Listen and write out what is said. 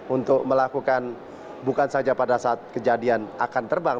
untuk melakukan bukan saja pada saat kejadian akan terbang